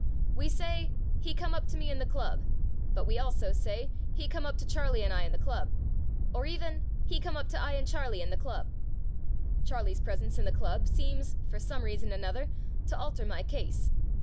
We say, "He come up to me in the club", but we also say, "He come up to Charley and I in the club" or even "He come up to I and Charley in the club." Charley's presence in the club seems, for "some reason another", to alter my case.